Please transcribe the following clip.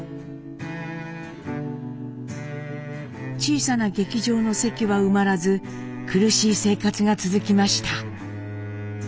小さな劇場の席は埋まらず苦しい生活が続きました。